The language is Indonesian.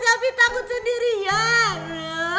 selfie takut sendirian